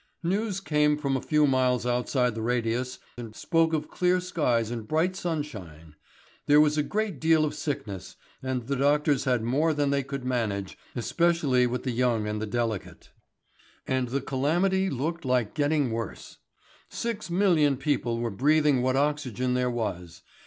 News that came from a few miles outside the radius spoke of clear skies and bright sunshine. There was a great deal of sickness, and the doctors had more than they could manage, especially with the young and the delicate. And the calamity looked like getting worse. Six million people were breathing what oxygen there was.